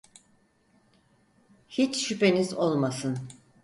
Hiç şüpheniz olmasın.